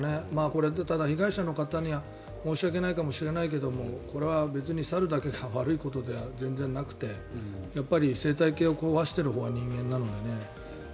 これ、ただ、被害者の方には申し訳ないけどこれは別に猿だけが悪いことでは全然なくてやっぱり生態系を壊しているほうは人間なのでね。